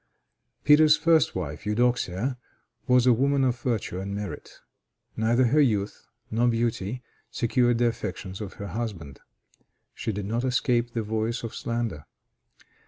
Peter's first wife, Eudoxia, was a woman of virtue and merit. Neither her youth nor beauty secured the affections of her husband. She did not escape the voice of slander.